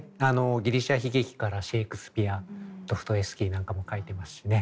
ギリシャ悲劇からシェークスピアドフトエフスキーなんかも書いてますしね。